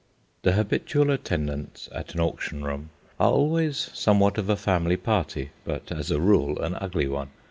The habitual attendants at an auction room are always somewhat of a family party, but, as a rule, an ugly one.